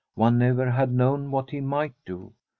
One never had known what he might do.